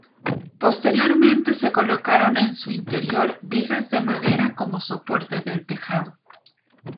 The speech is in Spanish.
Posteriormente se colocaron en su interior vigas de madera como soporte del tejado.